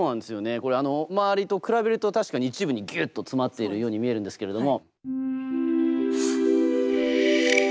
これ周りと比べると確かに一部にギュッと詰まっているように見えるんですけれども。